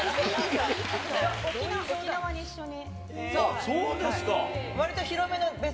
沖縄に一緒に。